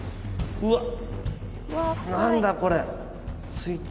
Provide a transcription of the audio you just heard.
うわっ！